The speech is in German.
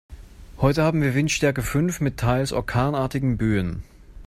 Heute haben wir Windstärke fünf mit teils orkanartigen Böen.